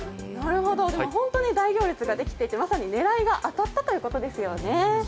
でも、本当に大行列ができていて、まさに狙いが当たったということですよね。